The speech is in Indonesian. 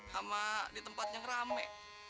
sama di tempat yang rame